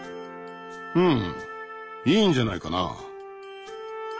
うんいいんじゃないかな。